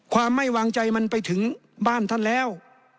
ความไม่วางใจมันไปถึงบ้านท่านแล้ว